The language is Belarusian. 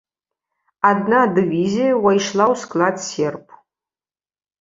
Адна дывізія ўвайшла ў склад серб.